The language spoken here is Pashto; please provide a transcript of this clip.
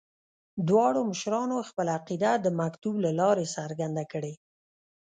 دواړو مشرانو خپله عقیده د مکتوب له لارې څرګنده کړې.